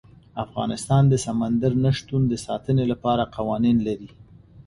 افغانستان د سمندر نه شتون د ساتنې لپاره قوانین لري.